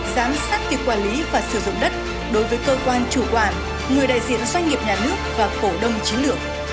giám sát việc quản lý và sử dụng đất đối với cơ quan chủ quản người đại diện doanh nghiệp nhà nước và cổ đông chiến lược